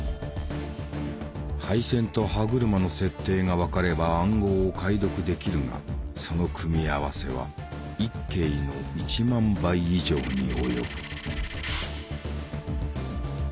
配線と歯車の設定が分かれば暗号を解読できるがその組み合わせは１京の１万倍以上に及ぶ。